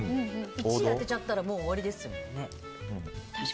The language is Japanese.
１位当てちゃったらもう終わりですよね。